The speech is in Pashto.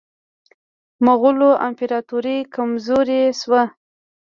مغولو امپراطوري کمزورې شوه.